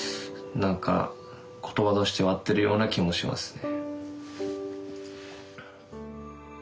何か言葉としては合ってるような気もしますね。